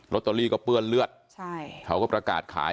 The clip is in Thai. ตเตอรี่ก็เปื้อนเลือดเขาก็ประกาศขาย